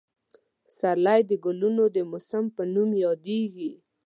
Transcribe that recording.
پسرلی د ګلونو د موسم په نوم یادېږي.